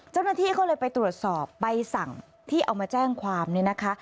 เจ้าหน้าที่ก็เลยไปตรวจสอบใบสั่งที่เอามาแจ้งความเนี่ยนะคะ